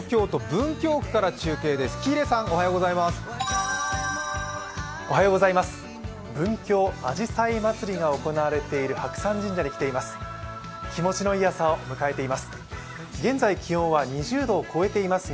文京あじさい祭りが行われている白山神社に来ています。